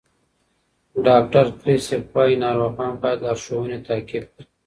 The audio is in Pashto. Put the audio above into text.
ډاکټر کریسپ وایي ناروغان باید لارښوونې تعقیب کړي.